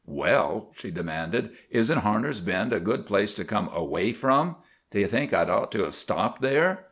"Well," she demanded, "isn't Harner's Bend a good place to come away from? Do you think I'd ought to have stopped there?